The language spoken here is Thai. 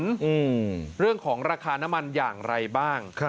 และเรื่องของราคาน้ำมันอย่างไรบ้าง